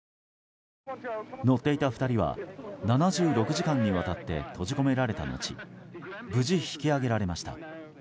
乗っていた２人は７６時間にわたって閉じ込められた後無事引き上げられました。